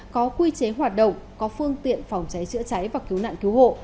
có quy chế hoạt động có phương tiện phòng cháy chữa cháy và cứu nạn cứu hộ